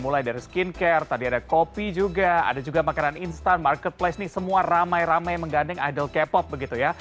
mulai dari skincare tadi ada kopi juga ada juga makanan instan marketplace nih semua ramai ramai menggandeng idol k pop begitu ya